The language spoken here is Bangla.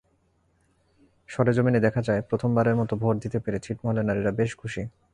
সরেজমিনে দেখা যায়, প্রথমবারের মতো ভোট দিতে পেরে ছিটমহলের নারীরা বেশ খুশি।